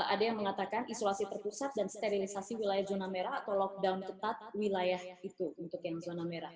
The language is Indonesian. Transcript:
ada yang mengatakan isolasi terpusat dan sterilisasi wilayah zona merah atau lockdown ketat wilayah itu untuk yang zona merah